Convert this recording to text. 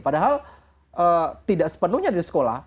padahal tidak sepenuhnya di sekolah